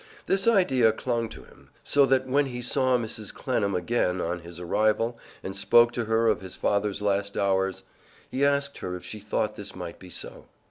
This idea clung to him, so that when he saw Mrs. Clennam again on his arrival, and spoke to her of his father's last hours, he asked her if she thought this might be so.